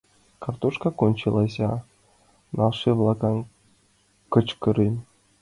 — Картошка кончилася! — налше-влаклан кычкырем.